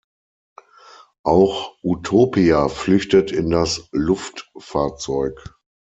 Auch Utopia flüchtet in das Luftfahrzeug.